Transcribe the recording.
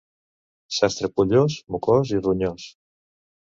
Sastre pollós, mocós i ronyós.